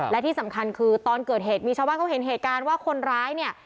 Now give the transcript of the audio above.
และที่สำคัญคือตอนเกิดเหตุมีชาวบ้านเขาเห็นเหตุการณ์ว่าคนร้ายเนี่ย